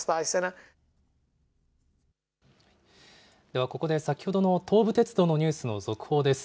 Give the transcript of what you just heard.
では、ここで先ほどの東武鉄道のニュースの続報です。